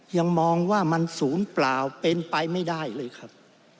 ยังมองว่ามันศูนย์เปล่าเป็นไปไม่ได้เลยครับ